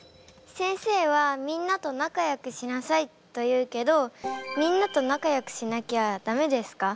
先生はみんなと仲良くしなさいと言うけどみんなと仲良くしなきゃダメですか？